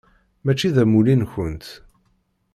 Mačči d amulli-nkent.